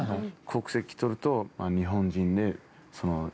国籍取ると日本人で。